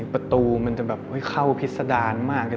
ประตูมันจะเข้าพิษดานมาก